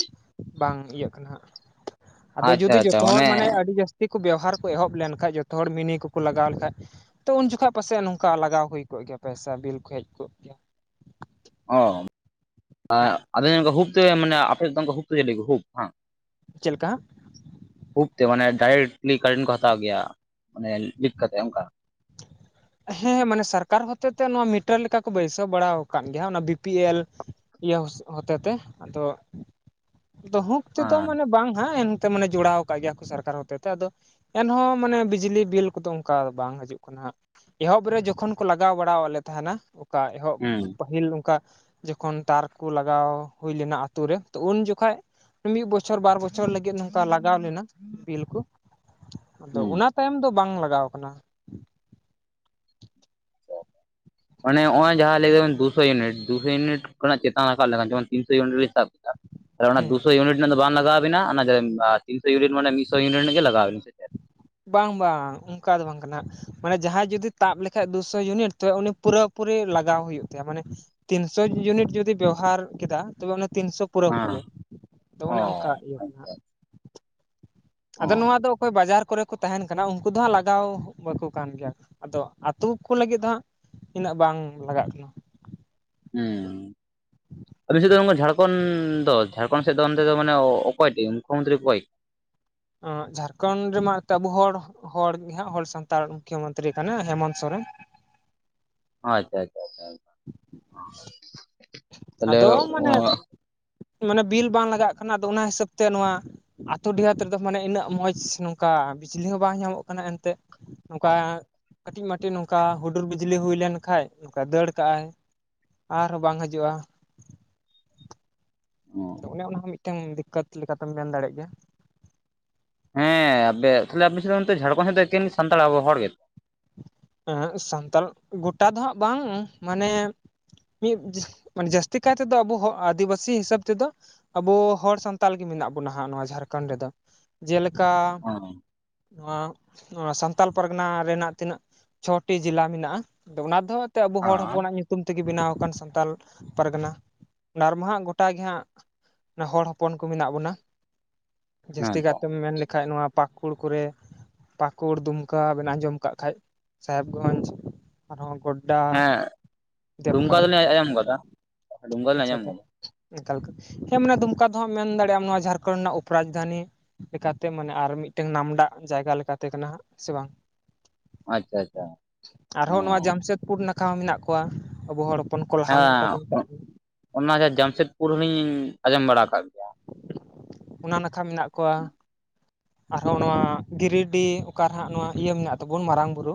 ᱵᱟᱝ ᱤᱭᱟᱹᱜ ᱠᱟᱱᱟ ᱦᱟᱸᱜ, ᱟᱫᱚ ᱟᱪᱪᱷᱟ ᱡᱩᱫᱤ ᱟᱪᱪᱷᱟ ᱡᱚᱛᱚ ᱦᱚᱲ ᱢᱟᱱᱮ ᱟᱹᱰᱤ ᱡᱟᱹᱥᱼᱼ ᱛᱤ ᱠᱩ ᱵᱮᱣᱦᱟᱨ ᱠᱚ ᱮᱦᱚᱵ ᱞᱮᱱ ᱠᱷᱟᱡ, ᱡᱚᱛᱚ ᱦᱚᱲ ᱢᱤᱱᱤ ᱠᱚᱠᱚ ᱞᱟᱜᱟᱣ ᱞᱮᱠᱷᱟᱡ, ᱛᱚ ᱩᱱ ᱡᱚᱠᱷᱟ ᱯᱟᱥᱮᱡ ᱱᱚᱝᱠᱟ ᱞᱟᱜᱟᱣᱼᱼ ᱦᱩᱭ ᱠᱚᱜ ᱜᱮᱭᱟ ᱯᱮᱭᱥᱟ ᱵᱤᱞ ᱠᱚ ᱦᱮᱡ ᱠᱚᱜ ᱜᱮᱭᱟ᱾ ᱚ ᱟᱻ ᱟᱫᱚ [inaudible] ᱦᱩᱵ ᱛᱮ ᱢᱟᱱᱮ ᱟᱯᱮ [inaudible] ᱦᱩᱯ ᱦᱟᱝ ᱪᱮᱜ ᱞᱮᱠᱟ? ᱦᱩᱵ ᱛᱮ ᱢᱟᱱᱮ ᱰᱟᱭᱨᱮᱠᱴᱞᱤ ᱠᱟᱨᱮᱱᱴ ᱠᱚ ᱦᱟᱛᱟᱣ ᱜᱮᱭᱟ ᱢᱟᱱᱮ ᱞᱤᱠ ᱠᱟᱛᱮᱜ ᱚᱱᱠᱟ᱾ ᱦᱮᱸ ᱢᱟᱱᱮ ᱥᱟᱨᱠᱟᱨ ᱦᱚᱛᱮ ᱛᱮ ᱱᱚᱣᱟ ᱢᱤᱴᱟᱨ ᱞᱮᱠᱟ ᱠᱚ ᱵᱟᱹᱭᱥᱟᱹᱣ ᱵᱟᱲᱟᱣ ᱠᱟᱜ ᱜᱮᱭᱟ ᱚᱱᱟ ᱵᱤ ᱯᱤ ᱮᱞᱼᱼ ᱤᱭᱟᱹ ᱦᱚᱥ ᱦᱚᱛᱮᱛᱮ ᱟᱫᱚ ᱛᱚ ᱦᱩᱠ ᱛᱮᱫᱚ ᱦᱮᱸ ᱢᱟᱱᱮ ᱵᱟᱝ ᱦᱟᱸᱜ ᱮᱱᱼᱼ ᱛᱮ ᱢᱟᱱᱮ ᱡᱚᱲᱟᱣ ᱠᱟᱜ ᱜᱮᱭᱟ ᱠᱚ ᱥᱟᱨᱠᱟᱨ ᱦᱚᱛᱮ ᱛᱮ ᱟᱫᱚᱼᱼ ᱮᱱᱦᱚᱸ ᱢᱟᱱᱮ ᱵᱤᱡᱽᱞᱤ ᱵᱤᱞ ᱠᱚᱫᱚ ᱚᱱᱠᱟ ᱵᱟᱝ ᱦᱤᱡᱩᱜ ᱠᱟᱱᱟ ᱦᱟᱸᱜ᱾ ᱮᱦᱚᱵ ᱨᱮ ᱡᱚᱠᱷᱚᱱ ᱠᱚ ᱞᱟᱜᱟᱣ ᱵᱟᱲᱟᱣ ᱞᱮ ᱛᱟᱦᱮᱱᱟ ᱠᱟ ᱮᱦᱚᱵ ᱦᱩᱸ ᱯᱟᱹᱦᱤᱞ ᱚᱱᱠᱟᱼᱼ ᱡᱚᱠᱷᱚᱱ ᱛᱟᱨ ᱠᱩ ᱞᱟᱜᱟᱣ ᱦᱩᱭ ᱞᱮᱱᱟ ᱟᱛᱩ ᱨᱮ ᱛᱚ ᱩᱱ ᱡᱚᱠᱷᱟᱡᱼᱼ ᱢᱤᱜ ᱵᱚᱪᱷᱚᱨ ᱵᱟᱨ ᱵᱚᱪᱷᱚᱨ ᱞᱟᱹᱜᱤᱫ ᱱᱚᱝᱠᱟ ᱞᱟᱜᱟᱣ ᱞᱮᱱᱟ ᱵᱤᱞ ᱠᱩ᱾ ᱟᱫᱚ ᱦᱩᱸ ᱚᱱᱟ ᱛᱟᱭᱚᱢ ᱫᱚ ᱵᱟᱝ ᱞᱟᱜᱟᱣ ᱠᱟᱱᱟ᱾ [unintelligible] ᱢᱟᱱᱮ ᱱᱚᱜ-ᱚᱸᱭ ᱡᱟᱦᱟᱸ ᱞᱟᱹᱭ ᱫᱟᱵᱮᱱ ᱫᱩ ᱥᱚ ᱭᱩᱱᱤᱴ ᱫᱩ ᱥᱚ ᱭᱩᱱᱤᱴ ᱠᱷᱚᱱᱟᱜ ᱪᱮᱛᱟᱱ ᱨᱟᱠᱟᱵ ᱞᱮᱠᱷᱟᱱ ᱡᱮᱢᱚᱱ ᱛᱤᱱ ᱥᱚ ᱭᱩᱱᱤᱴ ᱨᱮ ᱥᱟᱵᱼᱼ ᱟᱨ ᱚᱱᱟ ᱦᱮᱸ ᱫᱩᱥᱚ ᱤᱭᱩᱱᱤᱴᱼᱼ ᱟᱱᱟ ᱫᱚ ᱵᱟᱝ ᱞᱟᱜᱟᱣ ᱵᱤᱱᱟ ᱚᱱᱟ ᱡᱟᱭᱜᱟ ᱨᱮ ᱤᱢ‌ᱟᱨ ᱛᱤᱱ ᱥᱚ ᱭᱩᱱᱤᱴ ᱢᱟᱱᱮ ᱢᱤᱫ ᱥᱚ ᱭᱩᱱᱤᱴ ᱜᱮ ᱞᱟᱜᱟᱣ ᱵᱤᱱᱟ ᱥᱮ ᱪᱮᱜ? ᱵᱟᱝ ᱵᱟᱝ ᱚᱱᱠᱟ ᱫᱚ ᱵᱟᱝ ᱠᱟᱱᱟ᱾ ᱢᱟᱱᱮ ᱡᱟᱦᱟᱸᱭ ᱡᱩᱫᱤ ᱛᱟᱵ ᱞᱮᱠᱷᱟᱡ ᱫᱩ ᱥᱚ ᱭᱩᱱᱤᱴ ᱛᱚᱵᱮ ᱩᱱᱤ ᱯᱩᱨᱟᱹ ᱯᱩᱨᱤ ᱞᱟᱜᱟᱣ ᱦᱩᱭᱩᱜ ᱛᱟᱭᱟ ᱢᱟᱱᱮᱼᱼ ᱛᱤᱱ ᱥᱚ ᱭᱩᱱᱤᱴ ᱡᱩᱫᱤ ᱵᱮᱣᱦᱟᱨ ᱠᱮᱫᱟ ᱛᱚᱵᱮ ᱚᱱᱟ ᱛᱤᱱ ᱥᱚᱼᱼ ᱦᱮᱸ ᱯᱩᱨᱟᱹᱯᱩᱨᱤ ᱛᱚ ᱚ ᱚᱱᱮ ᱚᱱᱠᱟ ᱤᱭᱟᱹ ᱠᱟᱱᱟ᱾ ᱟᱪᱪᱷᱟ ᱟᱫᱚ ᱚ ᱱᱚᱣᱟ ᱫᱚ ᱚᱠᱚᱭ ᱵᱟᱡᱟᱨ ᱠᱚᱨᱮ ᱛᱟᱦᱮᱱ ᱠᱟᱱᱟ ᱩᱱᱠᱩ ᱫᱚ ᱦᱟᱸᱜ ᱞᱟᱜᱟᱣ ᱵᱟᱠᱚ ᱠᱟᱱ ᱜᱮᱭᱟ ᱟᱫᱚ ᱟᱹᱛᱩ ᱠᱚ ᱞᱟᱹᱜᱤᱫ ᱫᱚ ᱦᱟᱸᱜ ᱤᱱᱟᱹᱜ ᱵᱟᱝ ᱞᱟᱜᱟᱜ ᱠᱟᱱᱟ᱾ ᱦᱩᱸ᱾ ᱟᱯᱮ ᱥᱮᱫ ᱫᱚ ᱱᱚᱝᱠᱟ ᱡᱷᱟᱲᱠᱷᱚᱱ ᱫᱚ ᱡᱷᱟᱲᱠᱷᱚᱱ ᱥᱮᱫ ᱫᱚ ᱚᱱᱛᱮ ᱫᱚ ᱢᱟᱱᱮ ᱚᱠᱚᱭ ᱴᱤᱡ ᱢᱩᱠᱷᱚ ᱢᱚᱱᱛᱨᱤ ᱚᱠᱚᱭ? ᱟᱸᱜ ᱡᱷᱟᱨᱠᱷᱚᱸᱱᱰ ᱨᱮᱢᱟ ᱮᱛᱮ ᱟᱵᱚ ᱦᱚᱲ᱾ ᱦᱚᱲ ᱜᱮ ᱦᱟᱸᱜ ᱦᱚᱲ ᱥᱟᱱᱛᱟᱲ ᱢᱩᱠᱷᱭᱟᱹ ᱢᱚᱱᱛᱨᱤ ᱠᱟᱱᱟᱭ ᱦᱮᱢᱚᱱ ᱥᱚᱨᱮᱱ᱾ ᱦᱚᱸ ᱟᱪᱪᱷᱟ ᱟᱪᱪᱷᱟ ᱟᱪᱪᱷᱟ, ᱛᱟᱦᱞᱮ ᱟᱫᱚ ᱢᱟᱱᱮ ᱚᱸᱜ ᱢᱟᱱᱮ ᱵᱤᱞ ᱵᱟᱝ ᱞᱟᱜᱟᱜ ᱠᱟᱱᱟ ᱟᱫᱚ ᱚᱱᱟ ᱦᱤᱥᱟᱹᱵ ᱛᱮ ᱱᱚᱣᱟ ᱟᱛᱳ ᱰᱤᱦᱟᱛ ᱨᱮᱫᱚ ᱢᱟᱱᱮ ᱤᱱᱟᱹᱜ ᱢᱚᱡᱽ ᱱᱚᱝᱠᱟ ᱵᱤᱡᱽᱞᱤ ᱦᱚᱸ ᱵᱟᱝ ᱧᱟᱢᱚᱜ ᱠᱟᱱᱟ ᱮᱱᱛᱮᱫ᱾ ᱱᱚᱝᱠᱟ ᱠᱟᱹᱴᱤᱡ ᱢᱟᱹᱴᱤ ᱱᱚᱝᱠᱟ ᱦᱩᱰᱩᱨ ᱵᱤᱡᱽᱞᱤ ᱦᱩᱭ ᱞᱮᱱᱠᱷᱟᱡ ᱱᱚᱝᱠᱟ ᱫᱟᱹᱲ ᱠᱟᱜᱼᱟᱭ᱾ ᱟᱨᱦᱚᱸ ᱵᱟᱝ ᱦᱤᱡᱩᱜᱼᱟ᱾ ᱟᱫᱚ ᱚᱱᱮ ᱚᱱᱟ ᱦᱚᱸ ᱢᱤᱫᱴᱟᱝ ᱫᱤᱠᱠᱟᱹᱛ ᱞᱮᱠᱟᱛᱮᱢ ᱢᱮᱱ ᱫᱟᱲᱮᱜ ᱜᱮᱭᱟ᱾ ᱦᱮᱸ ᱟᱯᱮᱭᱟᱜ ᱛᱟᱦᱞᱮ ᱟᱵᱤᱱ ᱥᱮᱫ ᱫᱚ ᱚᱱᱛᱮ ᱡᱷᱟᱲᱠᱷᱚᱸᱱᱰ ᱥᱮᱫ ᱫᱚ ᱮᱠᱮᱱ ᱥᱟᱱᱛᱟᱲ ᱟᱵᱚ ᱦᱚᱲ ᱜᱮ᱾ ᱩᱸᱦᱩᱸᱜ ᱥᱟᱱᱛᱟᱞ ᱜᱚᱴᱟ ᱫᱚ ᱦᱟᱸᱜ ᱵᱟᱝ ᱢᱟᱱᱮ ᱢᱤᱫ ᱢᱟᱱᱮ ᱡᱟᱹᱥᱛᱤ ᱠᱟᱭ ᱛᱮᱫᱚ ᱟᱵᱚ ᱦᱚᱸᱜ ᱟᱹᱫᱤᱵᱟᱹᱥᱤ ᱦᱤᱥᱟᱹᱵ ᱛᱮᱫᱚ ᱟᱵᱚ ᱦᱚᱲ ᱥᱟᱱᱛᱟᱞ ᱜᱮ ᱢᱮᱱᱟᱜ ᱵᱚᱱᱟ ᱦᱟᱸᱜ ᱱᱚᱣᱟ ᱡᱷᱟᱨᱠᱷᱚᱸᱰ ᱨᱮᱫᱚ᱾ ᱡᱮᱞᱮᱠᱟ, ᱱᱚᱣᱟ ᱱᱚᱣᱟ ᱥᱟᱱᱛᱟᱞ ᱯᱟᱨᱜᱟᱱᱟ ᱨᱮᱱᱟᱜ ᱛᱤᱱᱟᱹᱜ ᱪᱷᱚᱴᱤ ᱡᱤᱞᱟ ᱢᱮᱱᱟᱜᱼᱟ, ᱟᱫᱚ ᱚᱱᱟ ᱫᱚᱦᱚᱸ ᱟᱛᱮ ᱟᱵᱚ ᱦᱚᱲ ᱦᱮᱸ ᱦᱚᱯᱚᱱᱟᱜ ᱧᱩ ᱛᱩᱢ ᱛᱮᱜᱮ ᱵᱤᱱᱟᱣ ᱟᱠᱟᱱ ᱥᱟᱱᱛᱟᱞ ᱯᱟᱨᱜᱟᱱᱟ ᱟᱨᱢᱟ ᱦᱟᱸᱜ ᱜᱚᱴᱟ ᱜᱮ ᱦᱟᱸᱜ ᱱᱮ ᱦᱚᱲ ᱦᱚᱯᱚᱱ ᱠᱚ ᱢᱮᱱᱟᱜ ᱵᱚᱱᱟ᱾ ᱡᱟᱹᱥᱛᱤ ᱦᱮᱸ ᱛᱚ ᱠᱟᱭᱛᱮᱢ ᱢᱮᱱ ᱞᱮᱠᱷᱟᱡ ᱱᱚᱣᱟ ᱯᱟᱠᱩᱲ ᱠᱚᱨᱮ ᱯᱟᱠᱩᱲ ᱫᱩᱢᱠᱟ ᱵᱮᱱ ᱟᱸᱡᱚᱢ ᱠᱟᱜ ᱠᱷᱟᱡ᱾ ᱥᱟᱦᱮᱵᱽᱜᱚᱧᱡᱽ ᱟᱨᱦᱚᱸ ᱜᱚᱰ ᱰᱟ, ᱦᱮᱸ ᱫᱩᱢᱠᱟ ᱫᱮᱵᱜᱷᱚᱨ, ᱫᱚᱞᱤᱧ ᱟᱸᱡᱚᱢ ᱟᱠᱟᱫᱟ ᱫᱩᱢᱠᱟ ᱫᱚᱞᱤᱧ ᱟᱪᱪᱷᱟ ᱟᱸᱡᱚᱢ ᱟᱪᱪᱷᱟ᱾ ᱟᱠᱟᱫᱟ ᱚᱱᱠᱟ ᱞᱮᱠᱟ ᱦᱮᱸ ᱢᱟᱱᱮ ᱫᱩᱢᱠᱟ ᱫᱚ ᱦᱟᱸᱜ ᱢᱮᱱ ᱫᱟᱲᱮᱭᱟᱜ ᱟᱢ ᱱᱚᱣᱟ ᱡᱷᱟᱨᱠᱷᱚᱸᱱᱰ ᱨᱮᱱᱟᱜ ᱩᱯᱨᱟᱡᱽᱫᱷᱟᱱᱤ ᱞᱮᱠᱟᱛᱮ ᱢᱟᱱᱮ ᱟᱨ ᱢᱤᱫᱴᱮᱱ ᱱᱟᱢᱰᱟᱸᱜ ᱡᱟᱭᱜᱟ ᱞᱮᱠᱟᱛᱮ ᱠᱟᱱᱟ ᱦᱟᱸᱜ ᱥᱮ ᱵᱟᱝ᱾ ᱟᱪᱪᱷᱟ ᱟᱪᱪᱷᱟ᱾ ᱟᱨᱦᱚᱸ ᱱᱚᱣᱟ ᱚ ᱡᱟᱢᱥᱮᱫᱽᱯᱩᱨ ᱱᱟᱠᱷᱟ ᱦᱚᱸ ᱢᱮᱱᱟᱜ ᱠᱚᱣᱟ ᱟᱵᱚ ᱦᱚᱲ᱾ ᱦᱚᱯᱚᱱ ᱠᱚᱞᱦᱟᱱ ᱚᱱᱠᱟ ᱠᱚ ᱦᱮᱸ, ᱢᱮᱛᱟᱜ ᱩᱸ ᱠᱟᱱᱟ ᱚᱱᱟ ᱡᱟᱦᱟᱸ ᱡᱟᱢᱥᱮᱫᱽᱯᱩᱨ ᱦᱚᱞᱤᱧ ᱟᱸᱡᱚᱢ ᱵᱟᱲᱟ ᱟᱠᱟᱫ ᱜᱮᱭᱟ᱾ ᱚᱱᱟ ᱱᱟᱠᱷᱟ ᱢᱮᱱᱟᱜ ᱠᱚᱣᱟ᱾ ᱟᱨᱦᱚᱸ ᱱᱚᱣᱟ ᱜᱤᱨᱤᱰᱤ ᱚᱠᱟ ᱨᱮ ᱦᱟᱸᱜ ᱱᱚᱣᱟ ᱤᱭᱟᱹ ᱢᱮᱱᱟᱜ ᱛᱟᱵᱚᱱ ᱢᱟᱨᱟᱝ ᱵᱩᱨᱩ᱾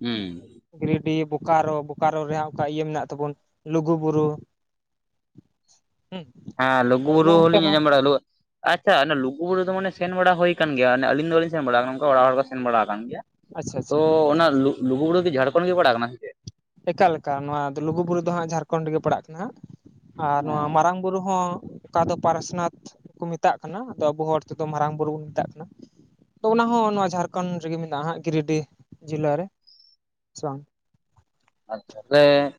ᱦᱩᱸ᱾ ᱜᱤᱨᱤᱰᱤ ᱵᱳᱠᱟᱨᱳ, ᱵᱳᱠᱟᱨᱳ ᱨᱮᱭᱟᱜ ᱚᱠᱟ ᱤᱭᱟᱹ ᱢᱮᱱᱟᱜ ᱛᱟᱵᱚᱱ ᱞᱩᱜᱩ ᱵᱩᱨᱩ᱾ ᱦᱩᱸ ᱦᱮᱸ, ᱞᱩᱜᱩ ᱟᱫᱚ ᱚᱱᱮ ᱵᱩᱨᱩ ᱚᱱᱛᱮ ᱦᱚᱞᱤᱧ ᱦᱚᱸ ᱟᱸᱡᱚᱢ ᱵᱟᱲᱟ ᱞᱩᱣᱟᱹᱜ, ᱟᱪᱪᱷᱟ, ᱚᱱᱟ ᱞᱩᱜᱩ ᱵᱩᱨᱩ ᱫᱚ ᱢᱟᱱᱮ ᱥᱮᱱ ᱵᱟᱲᱟ ᱦᱩᱭ ᱠᱟᱱ ᱜᱮᱭᱟ ᱟᱹᱞᱤᱧ ᱫᱚ ᱵᱟᱹᱞᱤᱧ ᱥᱮᱱ ᱵᱟᱲᱟ ᱟᱠᱟᱱᱟ, ᱚᱲᱟᱜ ᱦᱚᱲ ᱠᱚ ᱥᱮᱱ ᱵᱟᱲᱟ ᱟᱠᱟᱱ ᱜᱮᱭᱟ, ᱟᱪᱪᱷᱟ ᱛᱚ ᱟᱪᱪᱷᱟ ᱚᱱᱟ ᱞᱩ ᱞᱩᱜᱩ ᱵᱩᱨᱩ ᱠᱤ ᱡᱷᱟᱲᱠᱷᱚᱸᱱᱰ ᱜᱮ ᱯᱟᱲᱟᱜ ᱠᱟᱱᱟ ᱥᱮ ᱪᱮᱫ? ᱮᱠᱟᱞ ᱮᱠᱟᱞ ᱱᱚᱣᱟ ᱞᱩᱜᱩᱵᱩᱨᱩ ᱫᱚ ᱦᱟᱸᱜ ᱡᱷᱟᱨᱠᱷᱚᱸᱱᱰ ᱜᱮ ᱯᱟᱲᱟᱜ ᱠᱟᱱᱟ ᱦᱟᱸᱜ ᱟᱨ ᱚ ᱱᱚᱣᱟ ᱢᱟᱨᱟᱝ ᱵᱩᱨᱩ ᱦᱚᱸ ᱚᱠᱟ ᱫᱚ ᱯᱟᱨᱮᱥᱱᱟᱛᱷ ᱠᱚ ᱢᱮᱛᱟᱜ ᱠᱟᱱᱟ᱾ ᱟᱫᱚ ᱟᱵᱚ ᱦᱚᱲ ᱛᱮᱫᱚ ᱢᱟᱨᱟᱝ ᱵᱩᱨᱩ ᱵᱩᱱ ᱢᱮᱛᱟᱜ ᱠᱟᱱᱟ᱾ ᱛᱚ ᱚᱱᱟ ᱦᱚᱸ ᱱᱚᱣᱟ ᱡᱷᱟᱨᱠᱷᱚᱸᱱᱰ ᱨᱮᱜᱮ ᱢᱮᱱᱟᱜ-ᱟ ᱦᱟᱸᱜ ᱜᱤᱨᱤᱰᱤ ᱡᱤᱞᱟ ᱨᱮ ᱥᱮ ᱵᱟᱝ? ᱟᱪᱪᱷᱟ, ᱛᱟᱦᱚᱞᱮ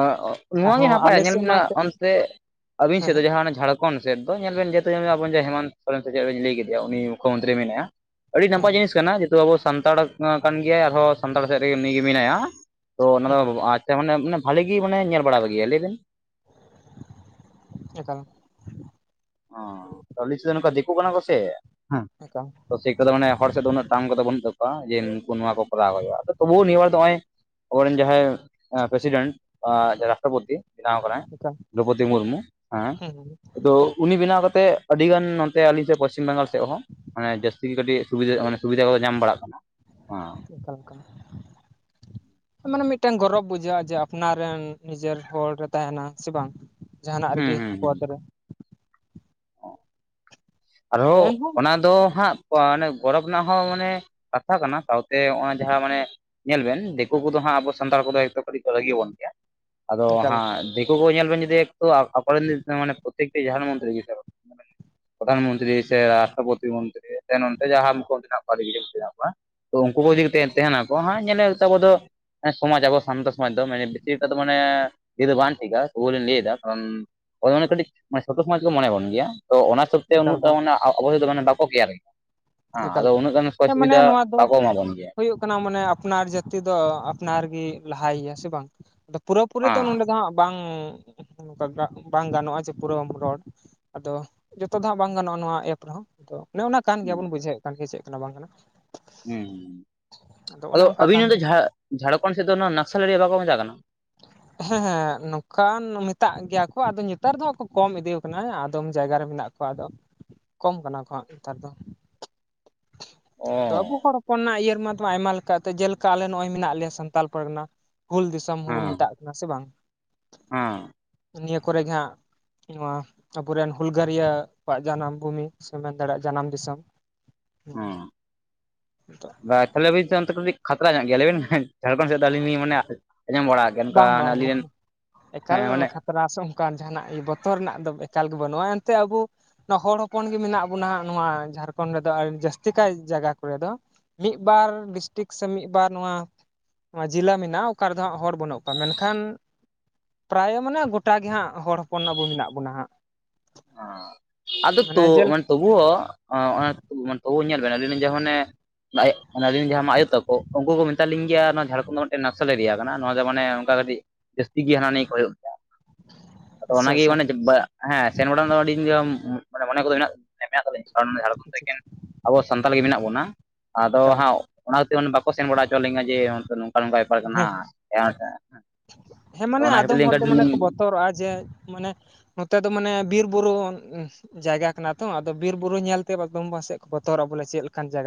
ᱚᱸ ᱚᱸ ᱱᱚᱣᱟ ᱜᱮ ᱟᱨᱦᱚᱸ ᱱᱟᱯᱟᱭᱟ ᱟᱞᱮ ᱧᱮᱞ ᱥᱮᱫ ᱢᱟ ᱢᱤᱱᱟᱜ ᱦᱮᱸ ᱚᱱᱛᱮ ᱟᱹᱵᱤᱱ ᱦᱮᱸ ᱥᱮᱫ ᱫᱚ ᱡᱟᱦᱟᱸ ᱡᱷᱟᱲ ᱠᱷᱚᱱ ᱥᱮᱫ ᱫᱚ ᱧᱮᱞ ᱵᱮᱱ ᱡᱮᱛᱮ ᱟᱵᱚ ᱨᱮᱱ ᱜᱮ ᱦᱮᱢᱟᱱᱛᱚ ᱥᱚᱨᱮᱱ ᱥᱮ ᱪᱮᱫ ᱵᱮᱱ ᱞᱟᱹᱭ ᱠᱮᱫᱮᱭᱟ ᱩᱱᱤ ᱢᱩᱠᱷᱚ ᱢᱚᱱᱛᱨᱤ ᱢᱮᱱᱟᱭᱟ᱾ ᱟᱹᱰᱤ ᱱᱟᱯᱟᱭ ᱦᱮᱸ ᱡᱤᱱᱤᱥ ᱠᱟᱱᱟ, ᱡᱮᱦᱮᱛᱩ ᱟᱵᱚ ᱥᱟᱱᱛᱟᱲ ᱩᱛᱱᱟᱹᱣ ᱠᱟᱱ ᱜᱮᱭᱟᱭ ᱟᱨᱦᱚᱸ ᱥᱟᱱᱛᱟᱲ ᱥᱮᱫ ᱨᱮᱜᱮ ᱩᱱᱤ ᱜᱮ ᱢᱤᱱᱟᱭᱟ᱾ ᱛᱚ ᱚᱱᱟ ᱦᱮᱸ ᱫᱚ ᱟᱪᱪᱷᱟ ᱢᱟᱱᱮ ᱵᱷᱟᱹᱞᱤ ᱜᱤ ᱢᱟᱱᱮ ᱧᱮᱞ ᱵᱟᱲᱟᱞᱮᱜᱮᱭᱟ ᱞᱟᱹᱭ ᱵᱮᱱ? ᱮᱠᱟᱞ᱾ ᱩᱸ ᱴᱚᱞᱤᱥ ᱫᱚ ᱱᱚᱝᱠᱟ ᱫᱤᱠᱩ ᱠᱟᱱᱟ ᱠᱚ ᱥᱮ, ᱦᱩᱸ, ᱮᱠᱟᱞ ᱥᱮᱭ ᱠᱚᱥᱮ ᱠᱚᱫᱚ ᱢᱟᱱᱮ ᱦᱚᱲ ᱥᱮᱫ ᱫᱚ ᱩᱱᱟᱹᱜ ᱛᱟᱝ ᱠᱚᱫᱚ ᱵᱚᱱ ᱵᱟᱹᱱᱩᱜ ᱛᱟᱠᱚᱣᱟ ᱡᱮ, ᱱᱩᱠᱩ ᱱᱚᱣᱟ ᱠᱚ ᱠᱚᱨᱟᱣ ᱦᱩᱭᱩᱜ-ᱟ ᱛᱚᱵᱩ ᱱᱤᱭᱟᱹ ᱵᱟᱨ ᱫᱚ ᱦᱚᱸᱜ-ᱚᱭ ᱟᱵᱚ ᱨᱮᱱ ᱡᱟᱦᱟᱸᱭ ᱟᱸ ᱯᱨᱮᱥᱤᱰᱮᱱᱴ ᱟᱸ ᱨᱟᱥᱴᱚᱯᱚᱛᱤ ᱵᱮᱱᱟᱣ ᱟᱠᱟᱱᱟᱭ᱾ ᱮᱠᱟᱞ ᱫᱨᱳᱯᱚᱫᱤ ᱢᱩᱨᱢᱩ ᱦᱮᱸ, ᱟᱫᱚ ᱩᱱᱤ ᱵᱮᱱᱟᱣ ᱠᱟᱛᱮ ᱟᱹᱰᱤ ᱜᱟᱱ ᱱᱚᱛᱮ ᱟᱹᱞᱤᱧ ᱥᱮᱫ ᱯᱚᱥᱪᱤᱢ ᱵᱟᱝᱜᱟᱞ ᱥᱮᱫ ᱦᱚᱸ ᱢᱟᱱᱮ ᱡᱟᱹᱥᱛᱤ ᱜᱮ ᱠᱟᱹᱴᱤᱡᱽ ᱥᱩᱵᱤᱫᱷᱟ ᱢᱟᱱᱮ ᱥᱩᱵᱤᱫᱷᱟ ᱠᱚᱵᱚ ᱧᱟᱢ ᱵᱟᱲᱟᱜ ᱠᱟᱱᱟ᱾ ᱮᱠᱟᱞ ᱮᱠᱟᱞ ᱾ ᱢᱟᱱᱮ ᱢᱤᱫ ᱴᱮᱱ ᱜᱚᱨᱚᱵᱽ ᱵᱩᱡᱷᱟᱹᱜ-ᱟ ᱡᱮ, ᱟᱯᱱᱟᱨ ᱨᱮᱱ ᱱᱤᱡᱮᱨ ᱦᱚᱲ ᱮ ᱛᱟᱦᱮᱱᱟ ᱥᱮ ᱵᱟᱝ? ᱡᱟᱦᱟᱸᱱᱟᱜ ᱨᱮᱜᱤ ᱯᱚᱫ ᱨᱮ᱾ ᱚᱸ᱾ ᱟᱫᱚ ᱟᱨᱦᱚᱸ ᱮᱱᱦᱚᱸ ᱚᱱᱟ ᱫᱚ ᱦᱟᱸᱜ ᱚᱸ ᱚᱱᱮ ᱜᱚᱨᱚᱵᱽ ᱨᱮᱱᱟᱜ ᱦᱚᱸ ᱢᱟᱱᱮ ᱠᱟᱛᱷᱟ ᱠᱟᱱᱟ, ᱛᱟᱣ ᱛᱮ ᱦᱚᱜᱼᱚᱣᱟ ᱡᱟᱦᱟᱸ ᱢᱟᱱᱮ ᱧᱮᱞ ᱵᱮᱱ ᱫᱤᱠᱩ ᱠᱚᱫᱚ ᱦᱟᱸᱜ ᱟᱵᱚ ᱥᱟᱱᱛᱟᱲ ᱠᱚᱫᱚ ᱮᱠᱫᱚᱢ ᱠᱟᱹᱴᱤᱡᱽ ᱠᱚ ᱨᱟᱹᱜᱤ ᱟᱵᱚᱱ᱾ ᱟᱫᱚ ᱮᱠᱟᱞ ᱦᱟᱸᱜ, ᱫᱤᱠᱩ ᱠᱚ ᱧᱮᱞ ᱵᱮᱱ ᱡᱩᱫᱤ ᱮᱠᱴᱩ ᱟᱠᱚ ᱨᱮᱱ ᱢᱟᱱᱮ ᱯᱚᱛᱛᱮᱠᱴᱤ ᱡᱟᱦᱟ-ᱱ ᱢᱚᱱᱛᱮ ᱨᱮᱜᱤ ᱛᱟᱠᱚ᱾ ᱯᱨᱚᱫᱷᱟᱱ ᱢᱚᱱᱛᱨᱤ ᱥᱮ ᱨᱟᱥᱴᱨᱚᱯᱚᱛᱤ ᱢᱚᱱᱛᱨᱤ ᱱᱚᱱᱛᱮ ᱡᱟᱦᱟᱸ ᱢᱩᱠᱷᱚ ᱢᱚᱱᱛᱨᱤ ᱢᱮᱱᱟᱜ ᱠᱚᱣᱟ ᱟᱨᱦᱚᱸ ᱮᱢᱟᱱ ᱠᱚ ᱢᱮᱱᱟᱜ ᱠᱚᱣᱟ᱾ ᱛᱚ ᱩᱱᱠᱩ ᱠᱚ ᱤᱫᱤ ᱠᱟᱛᱮ ᱛᱟᱦᱮᱱᱟᱠᱚ ᱦᱟᱸᱜ ᱧᱮᱞᱮ ᱜᱮᱛᱟ ᱟᱵᱚ ᱫᱚ ᱥᱚᱢᱟᱡᱽ ᱟᱵᱚ ᱥᱟᱱᱛᱚ ᱥᱚᱢᱟᱡᱽ ᱫᱚ ᱢᱟᱱᱮ ᱵᱮᱥᱤᱨ ᱴᱟᱜ ᱫᱚ ᱢᱟᱱᱮ ᱤᱭᱟᱹ ᱫᱚ ᱵᱟᱝ ᱴᱷᱤᱠᱟ ᱛᱩᱵᱩ ᱞᱤᱧ ᱞᱟᱹᱭ ᱮᱫᱟ᱾ ᱮᱱᱮ ᱠᱟᱹᱴᱤᱡᱽ ᱢᱟᱱᱮ ᱪᱷᱳᱴᱳ ᱥᱚᱢᱟᱡᱽ ᱠᱚ ᱢᱚᱱᱮ ᱵᱚᱱ ᱜᱮᱭᱟ ᱛᱚ ᱚᱱᱟ ᱦᱤᱥᱟᱹᱵ ᱛᱮ ᱮᱠᱟᱞ ᱩᱱᱟᱹᱜ ᱴᱟ ᱮᱠᱟᱞ ᱢᱟᱱᱮ ᱟᱵ ᱟᱵᱚ ᱛᱮᱫᱚ ᱢᱟᱱᱮ ᱵᱟᱠᱚ ᱠᱮᱭᱟᱨ ᱜᱮᱭᱟ᱾ ᱦᱮᱸ ᱮᱠᱟᱞ ᱟᱫᱚ ᱮᱠᱟᱞ᱾ ᱩᱱᱟᱹᱜ ᱜᱟᱱ ᱥᱩᱡᱳᱜᱽ ᱦᱮᱸ, ᱢᱟᱱᱮ ᱥᱩᱵᱤᱫᱷᱟ ᱱᱚᱣᱟ ᱫᱚ ᱵᱟᱠᱚ ᱮᱢᱟ ᱵᱚᱱ ᱜᱮᱭᱟ ᱦᱩᱭᱩᱜ ᱠᱟᱱᱟ ᱢᱟᱱᱮ ᱟᱯᱱᱟᱨ ᱡᱟᱹᱛ ᱛᱤ ᱫᱚ ᱟᱯᱱᱟᱨ ᱜᱮ ᱞᱟᱦᱟᱭᱮᱭᱟ ᱥᱮ ᱵᱟᱝ? ᱟᱫᱚ ᱯᱩᱨᱟᱹᱯᱩᱨᱤ ᱫᱚ ᱦᱮᱸ ᱱᱚᱸᱰᱮ ᱫᱚ ᱦᱟᱸᱜ ᱵᱟᱝ᱾ ᱱᱚᱝᱠᱟ ᱜᱟᱜ ᱵᱟᱝ ᱜᱟᱱᱚᱜ-ᱟ ᱡᱮ, ᱯᱩᱨᱟᱹ ᱵᱟᱝ ᱵᱚᱱ ᱨᱚᱲ᱾ ᱟᱫᱚ ᱡᱚᱛᱚ ᱫᱚ ᱦᱟᱸᱜ ᱵᱟᱝ ᱜᱟᱱᱚᱜ-ᱟ ᱱᱚᱣᱟ ᱮᱯ ᱨᱮᱦᱚᱸ᱾ ᱛᱚ ᱚᱱᱮ ᱚᱱᱟ ᱠᱟᱱ ᱜᱮᱭᱟ ᱦᱩᱸ ᱵᱚᱱ ᱵᱩᱡᱷᱟᱹᱣ ᱮᱫ ᱠᱟᱱ ᱜᱮᱭᱟ ᱪᱮᱫ ᱠᱟᱱᱟ ᱵᱟᱝ ᱠᱟᱱᱟ? ᱦᱩᱸᱦᱩᱸ, ᱚᱱᱮ ᱟᱫᱚ ᱚᱱᱠᱟ ᱟᱹᱵᱤᱱ ᱠᱟᱱ ᱜᱮᱭᱟ ᱱᱚᱸᱰᱮ ᱡᱷᱟᱲ ᱡᱷᱟᱲᱠᱷᱚᱱᱰ ᱥᱮᱫ ᱫᱚ ᱚᱱᱟ ᱱᱟᱥᱮᱞ ᱮᱨᱤᱭᱟ ᱵᱟᱠᱚ ᱢᱮᱛᱟᱜ ᱠᱟᱱᱟ᱾ ᱦᱮᱸ ᱦᱮᱸ, ᱱᱚᱝᱠᱟᱱ ᱢᱮᱛᱟᱜ ᱜᱮᱭᱟ ᱠᱚ᱾ ᱟᱫᱚ ᱱᱮᱛᱟᱨ ᱫᱚ ᱦᱟᱸᱜ ᱠᱚ ᱠᱚᱢ ᱤᱫᱤ ᱟᱠᱟᱱᱟ, ᱟᱫᱚᱢ ᱡᱟᱭᱜᱟ ᱨᱮ ᱢᱮᱱᱟᱜ ᱾ ᱠᱚᱣᱟ ᱫᱚ ᱠᱚᱢ ᱠᱟᱱᱟ ᱠᱚᱦᱟᱸᱜ ᱱᱮᱛᱟᱨ ᱫᱚ ᱚ ᱫᱚ ᱟᱵᱩ ᱦᱚᱲ ᱚᱱᱱᱟ ᱤᱭᱟᱹᱨᱮᱢᱟ ᱛᱷᱚᱲᱟ ᱟᱭᱢᱟ ᱞᱮᱠᱟ ᱛᱮ ᱡᱮᱞᱮᱠᱟ ᱟᱞᱮ ᱱᱚᱜᱼᱚᱭ ᱢᱮᱱᱟᱜ ᱞᱮᱭᱟ ᱥᱟᱱᱛᱟᱲ ᱯᱚᱨᱜᱟᱱᱟ ᱦᱩᱞ ᱫᱤᱥᱚᱢ ᱦᱚᱸᱵᱚᱱ ᱦᱮᱸ ᱢᱮᱛᱟᱜ ᱱᱟᱥᱮ ᱵᱟᱝ ᱦᱮᱸ ᱱᱤᱭᱟᱹ ᱠᱚᱨᱮ ᱜᱮ ᱦᱟᱸᱜ ᱱᱚᱣᱟ ᱟᱵᱚᱨᱮᱱ ᱦᱩᱞᱜᱟᱹᱨᱤᱭᱟᱹ ᱠᱚᱣᱟᱜ ᱡᱟᱱᱟᱢ ᱵᱷᱩᱢᱤ ᱥᱮ ᱢᱮᱱ ᱫᱟᱲᱮᱭᱟᱜ ᱡᱟᱱᱟᱢ ᱫᱤᱥᱚᱢ᱾ ᱚᱸ [unintelligible] ᱞᱟᱭ ᱵᱤᱱ ᱥᱮ ᱚᱱᱛᱮ ᱠᱟᱹᱤᱡᱽ ᱠᱷᱟᱛᱨᱟ ᱧᱚᱜ ᱜᱮᱭᱟ ᱞᱟᱹᱭ ᱵᱮᱱ ᱦᱮᱸ ᱡᱷᱟᱲᱠᱷᱚᱱᱰ ᱥᱮᱫ ᱫᱚ ᱟᱹᱞᱤᱧ ᱞᱤᱧ ᱢᱚᱱᱮᱭᱟ ᱟᱸᱡᱚᱢ ᱵᱟᱲᱟ ᱚᱱᱠᱟ ᱵᱟᱝ ᱢᱟᱱᱮ ᱟᱹᱞᱤᱧ ᱨᱮᱱ ᱦᱮᱸ ᱢᱟᱱᱮ ᱛᱨᱟᱥᱚᱜ ᱚᱱᱠᱟᱱ ᱡᱟᱦᱟᱱᱟᱜ ᱤᱭᱟᱹ ᱵᱚᱛᱚᱨ ᱨᱮᱱᱟᱜ ᱫᱚ ᱮᱠᱟᱞ ᱜᱮ ᱵᱟᱹᱱᱩᱜᱼᱟ ᱮᱱᱛᱮ ᱟᱵᱳ ᱱᱚᱣᱟ ᱦᱚᱲ ᱦᱚᱯᱚᱱ ᱜᱮ ᱢᱮᱱᱟᱜ ᱵᱚᱱᱟ ᱦᱟᱸᱜ ᱱᱚᱣᱟ ᱡᱷᱟᱲᱠᱷᱚᱸᱰ ᱨᱮᱫᱚ ᱟᱹ ᱡᱟᱹᱥᱛᱤ ᱠᱟᱭ ᱡᱟᱜᱟ ᱠᱚᱨᱮ ᱫᱚ᱾ ᱢᱤᱫ ᱵᱟᱨ ᱰᱤᱥᱴᱤᱠ ᱥᱮ ᱢᱤᱫ ᱵᱟᱨ ᱱᱚᱣᱟ ᱡᱮᱞᱟ ᱢᱮᱱᱟᱜᱼᱟ ᱚᱠᱟ ᱨᱮᱫᱚ ᱦᱟᱸᱜ ᱦᱚᱲ ᱵᱟᱹᱱᱩᱜ ᱛᱚ ᱢᱮᱱᱠᱷᱟᱱ ᱯᱨᱟᱭ ᱢᱟᱱᱮ ᱜᱚᱴᱟ ᱜᱮ ᱦᱟᱸᱜ ᱦᱚᱲ ᱦᱚᱯᱚᱱ ᱟᱵᱚ ᱢᱮᱱᱟᱜ ᱵᱚᱱᱟ ᱦᱟᱸᱜ᱾ ᱟᱸ ᱟᱫᱚ ᱢᱟᱱᱮ ᱛᱳ ᱡᱮᱞ ᱢᱟ-ᱼ ᱛᱩᱵᱩᱣᱼᱚ ᱟᱸ ᱚᱱᱟ ᱛᱚᱵᱩ ᱛᱚᱵᱩᱣ ᱧᱮᱞ ᱵᱮᱱ ᱟᱞᱤᱧ ᱞᱤᱧ ᱡᱮᱦᱚᱸᱱ ᱚᱱᱮ ᱵᱟᱭᱮ ᱚᱱᱟ ᱨᱤᱱ ᱡᱟᱦᱟᱸᱢᱟ ᱟᱭᱳᱛᱚᱠᱚ ᱩᱱᱠᱩ ᱠᱚ ᱢᱮᱛᱟ ᱞᱤᱧ ᱜᱮᱭᱟ ᱱᱚᱣᱟ ᱡᱷᱟᱲᱠᱷᱚᱸᱰ ᱱᱚᱰᱮ ᱱᱟᱥᱮᱞ ᱮᱨᱤᱭᱟ ᱠᱟᱱᱟ ᱱᱚᱣᱟ ᱫᱚ ᱢᱟᱱᱮ ᱚᱱᱠᱟ ᱠᱟᱹᱴᱤᱡᱽ ᱡᱟᱹᱥᱛᱤ ᱜᱮ ᱦᱟᱱᱟ ᱱᱤᱭᱟᱹ ᱠᱚ ᱮᱦᱚᱵ ᱫᱟ ᱾ ᱟᱫᱚ ᱚᱱᱟ ᱟᱪᱪᱷᱟ ᱜᱮ ᱟᱪᱪᱷᱟ ᱢᱟᱱᱮ ᱡᱟᱵ ᱵᱟ ᱦᱮᱸ ᱥᱮᱱ ᱵᱟᱲᱟ ᱨᱮᱱᱟᱜ ᱟᱹᱰᱤ ᱡᱚᱢ ᱢᱟᱱᱮ ᱢᱚᱱᱮ ᱠᱚᱫᱚ ᱢᱮᱱᱟᱜ ᱢᱮ ᱢᱮᱱᱟᱜ ᱛᱟᱞᱤᱧ ᱛᱟᱨ ᱢᱟᱱᱮ ᱡᱷᱟᱲᱠᱷᱚᱸᱰ ᱨᱮ ᱮᱠᱮᱱ ᱟᱵᱚ ᱥᱟᱱᱛᱟᱲ ᱜᱮ ᱢᱮᱱᱟᱜ ᱵᱚᱱᱟ ᱟᱫᱚ ᱮᱠᱟᱞ ᱦᱟᱸᱜ ᱚᱱᱟ ᱛᱮ ᱢᱟᱱᱮ ᱵᱟᱠᱚ ᱥᱮᱱ ᱵᱟᱲᱟ ᱦᱚᱪᱚ ᱟᱞᱤᱧᱟ ᱡᱮ ᱚᱱᱛᱮ ᱱᱚ ᱱᱚᱝᱠᱟ ᱱᱚᱝᱠᱟ ᱵᱮᱯᱟᱨ ᱠᱟᱱᱟ ᱦᱮᱸ ᱮᱣᱚᱜ ᱴᱮ ᱛᱚ ᱚᱱᱟ ᱠᱷᱟᱹᱛᱤᱨ ᱞᱤᱧ [unintelligible] ᱛᱚᱨ ᱚᱣᱟ ᱡᱮ ᱢᱟᱱᱮ ᱱᱚᱛᱮ ᱫᱚ ᱢᱟᱱᱮ ᱵᱤᱨ ᱵᱩᱨᱩ ᱡᱟᱭᱜᱟ ᱠᱟᱱᱟ ᱛᱚ ᱟᱫᱚ ᱵᱤᱨ ᱵᱩᱨᱩ ᱧᱮᱞ ᱛᱮ ᱵᱟᱫᱚᱢ ᱯᱟᱥᱮᱜ ᱠᱚ ᱵᱚᱛᱚᱨᱚᱜ ᱵᱚᱞᱮ ᱪᱮᱫ ᱞᱮᱠᱟᱱ ᱡᱟᱜᱟ